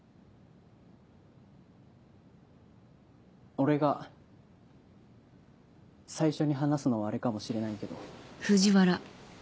俺が最初に話すのはあれかもしれないけど。